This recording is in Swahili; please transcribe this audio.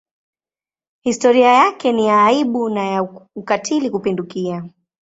Historia yake ni ya aibu na ya ukatili kupindukia.